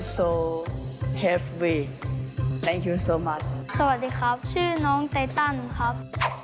สวัสดีครับชื่อน้องไตตันครับ